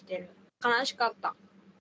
悲しかった。